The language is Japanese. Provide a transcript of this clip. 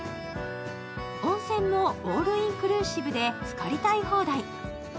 温泉もオールインクルーシブでつかりたい放題。